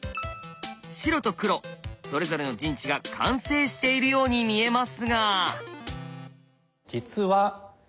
白と黒それぞれの陣地が完成しているように見えますが。